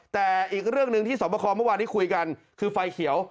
แต่อีกเรื่องหนึ่งที่สอบประคอเมื่อวานที่คุยกันคือไฟเขียว